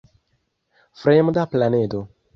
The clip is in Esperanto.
Fremda planedo.